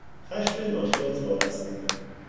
خشم ناشی از وارستگی